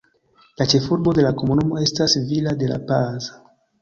La ĉefurbo de la komunumo estas Villa de la Paz.